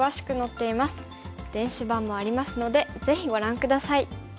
電子版もありますのでぜひご覧下さい。